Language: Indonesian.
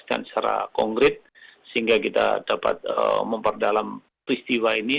dan secara konkret sehingga kita dapat memperdalam peristiwa ini